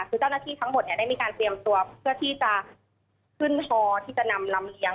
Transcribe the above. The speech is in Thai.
คือเจ้าหน้าที่ทั้งหมดเนี่ยได้มีการเตรียมตัวเพื่อที่จะขึ้นฮอที่จะนำลำเลี้ย